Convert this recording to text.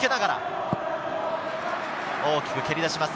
大きく蹴り出します。